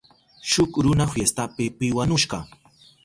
Shuk runa fiestapi piwanushka.